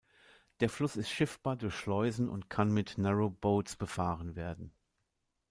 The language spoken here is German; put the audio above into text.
Der Fluss ist schiffbar durch Schleusen und kann mit Narrowboats befahren werden.